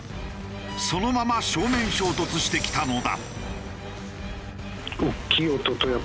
そのまま正面衝突してきたのだ。